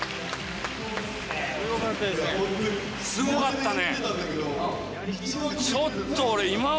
すごかったですね。